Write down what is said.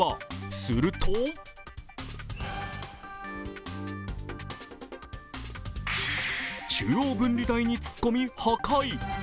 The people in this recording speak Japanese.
すると中央分離帯に突っ込み破壊。